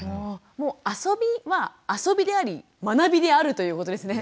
もう遊びは遊びであり学びであるということですね。